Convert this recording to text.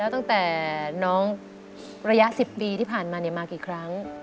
ตั้งแต่น้องระยะ๑๐ปีที่ผ่านมามากี่ครั้ง